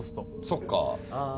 そっかあ